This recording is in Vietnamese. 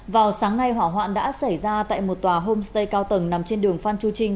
vào sáng nay hỏa hoạn đã xảy ra tại một tòa homestay cao tầng nằm trên đường phan chu trinh